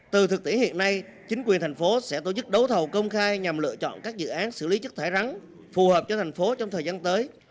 từ thực tế hiện nay chính quyền thành phố sẽ tổ chức đấu thầu công khai nhằm lựa chọn các dự án xử lý chất thải rắn phù hợp cho thành phố trong thời gian tới